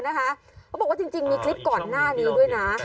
เขาบอกว่าจริงมีคลิปก่อนหน้านี้ด้วยนะ